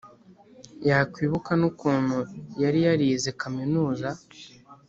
yakwibuka n’ukuntu yari yarize kaminuza